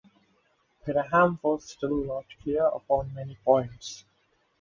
Graham was still not clear upon many points.